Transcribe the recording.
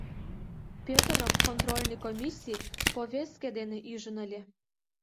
Пӧтырым контрольный комиссий повестке дене ӱжын ыле.